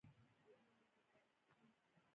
د علامه رشاد لیکنی هنر مهم دی ځکه چې خیانت غندي.